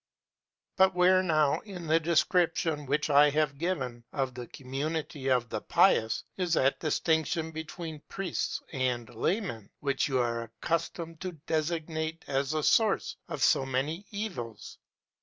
But where now, in the description which I have given of the community of the pious, is that distinction between priests and laymen, which you are accustomed to designate as the source of so many evils?